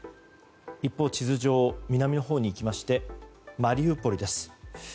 一方、地図上南のほうに行きましてマリウポリです。